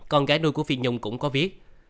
con gái nuôi của phi nhung cũng có viết